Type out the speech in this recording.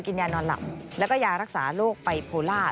กินยานอนหลับแล้วก็ยารักษาโรคไบโพล่า